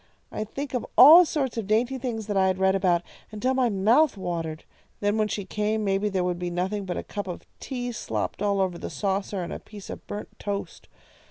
I'd think of all sorts of dainty things that I had read about, until my mouth watered. Then when she came, maybe there would be nothing but a cup of tea slopped all over the saucer, and a piece of burnt toast.